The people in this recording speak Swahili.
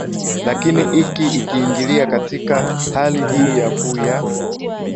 lakini iki ikiingilia katika hali hii ya ku ya